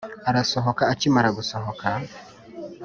arasohoka akimara gusohoka